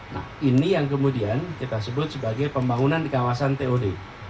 nah ini yang kemudian kita sebut sebagai pembangunan di kawasan tod